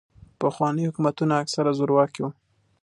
پخواني حکومتونه اکثراً زورواکي وو.